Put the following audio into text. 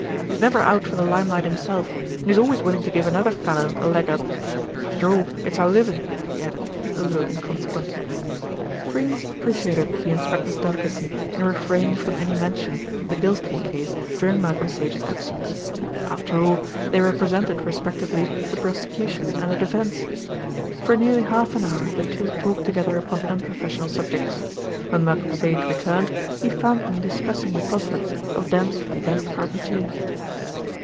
He's never out for the limelight himself, and he's always willing to give another fellow a leg up. After all, it's our living," he added, a little inconsequently. Freynes appreciated the inspector's delicacy in refraining from any mention of the Gylston case during Malcolm Sage's absence. After all, they represented respectively the prosecution and the defence. For nearly half an hour the two talked together upon unprofessional subjects. When Malcolm Sage returned, he found them discussing the prospects of Dempsey against Carpentier.